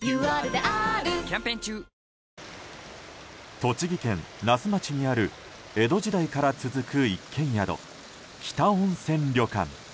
栃木県那須町にある江戸時代から続く一軒宿北温泉旅館。